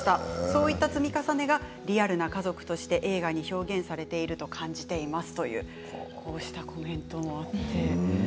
そういった積み重ねがリアルな家族として映画に表現されていると感じていますというコメントも。